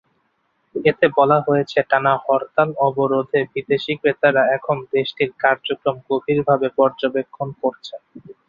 এতে বলা হয়েছে, টানা হরতাল-অবরোধে বিদেশি ক্রেতারা এখন দেশটির কার্যক্রম গভীরভাবে পর্যবেক্ষণ করছেন।